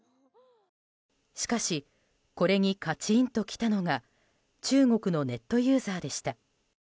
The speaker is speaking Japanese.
しかしこれにカチーンときたのが中国のネットユーザーでした。